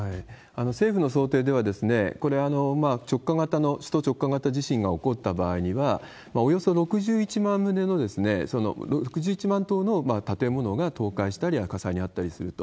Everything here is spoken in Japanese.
政府の想定では、これ、直下型の、首都直下型地震が起こった場合には、およそ６１万棟の建物が倒壊したり、火災に遭ったりすると。